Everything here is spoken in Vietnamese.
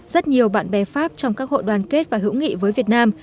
rất nhiều bạn bè pháp trong các hội đoàn kết và hữu nghị với việt nam